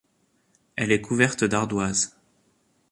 Elle est couverte d'ardoises.